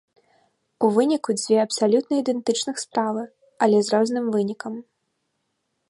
У выніку дзве абсалютна ідэнтычных справы, але з розным вынікам.